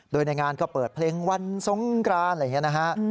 โดยในงานก็เปิดเพลงวันสงกรานอะไรอย่างนี้นะฮะ